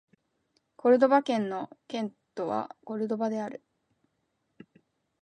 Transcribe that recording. コルドバ県の県都はコルドバである